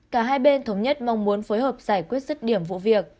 cả hai bên thống nhất mong muốn phối hợp giải quyết sức điểm vụ việc